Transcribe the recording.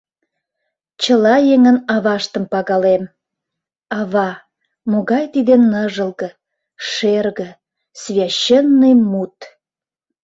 Чыла еҥын аваштым пагалем: «Ава» — могай тиде ныжылге, шерге, священный мут.